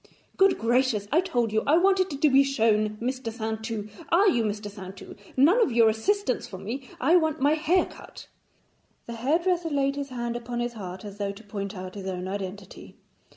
'Good gracious, I told you I wanted to be shown Mr. Saintou. Are you Mr. Saintou? None of your assistants for me; I want my hair cut.' The hairdresser laid his hand upon his heart, as though to point out his own identity.